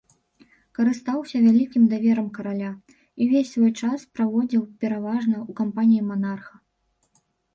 Карыстаўся вялікім даверам караля і ўвесь свой час праводзіў пераважна ў кампаніі манарха.